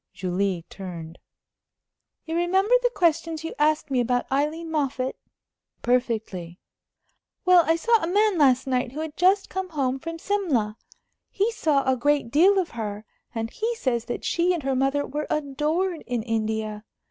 Julie turned. "You remember the questions you asked me about Aileen Moffatt?" "Perfectly." "Well, I saw a man last night who had just come home from Simla. He saw a great deal of her, and he says that she and her mother were adored in India.